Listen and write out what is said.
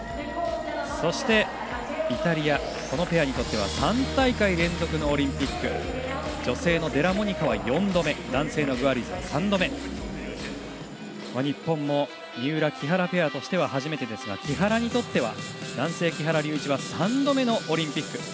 そして、イタリアこのペアにとっては３大会連続のオリンピック女性のデラモニカは４度目男性のグアリーゼは３度目日本も三浦、木原ペアとしては初めてですが男性の木原龍一は３度目のオリンピック。